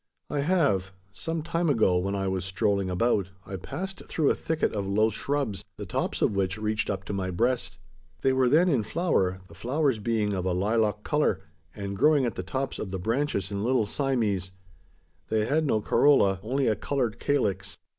"I have. Some time ago, when I was strolling about, I passed through a thicket of low shrubs the tops of which reached up to my breast. They were then in flower the flowers being of a lilac colour, and growing at the tops of the branches in little cymes. They had no corolla only a coloured calyx.